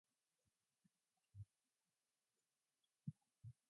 John Jacob Astor.